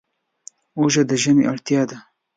اوړه د ژمي اړتیا ده